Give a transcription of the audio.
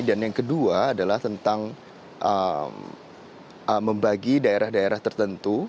dan yang kedua adalah tentang membagi daerah daerah tertentu